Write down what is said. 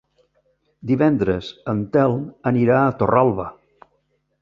Divendres en Telm anirà a Torralba.